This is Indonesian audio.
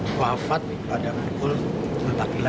akhirnya wafat pada pukul empat belas dua puluh dua